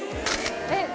えっ？